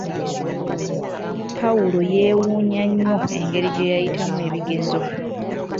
Pawulo yeewunya nnyo engeri gye yayitamu ebigezo.